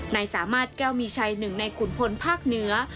นายสามารถแก้วมีชัยหนึ่งในขุนพลภาคเหนือ